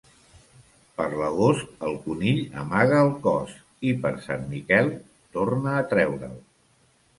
Per l'agost, el conill amaga el cos, i per Sant Miquel, torna a treure'l.